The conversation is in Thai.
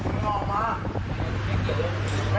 เฮ้ยนั่งมาเรียบร้อนนะ